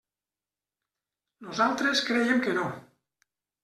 Nosaltres creiem que no.